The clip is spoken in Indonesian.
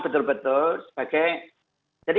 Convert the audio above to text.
betul betul sebagai jadi